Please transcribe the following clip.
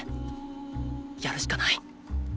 やるしかない。